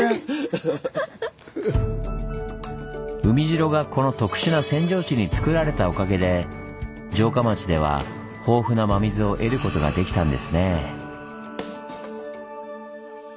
海城がこの特殊な扇状地につくられたおかげで城下町では豊富な真水を得ることができたんですねぇ。